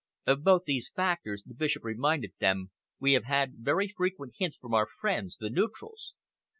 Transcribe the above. "Of both these factors," the Bishop reminded them, "we have had very frequent hints from our friends, the neutrals.